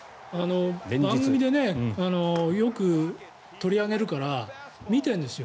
番組でよく取り上げるから見てるんですよ。